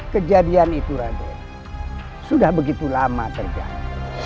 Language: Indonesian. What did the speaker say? kejadian itu raden sudah begitu lama terjadi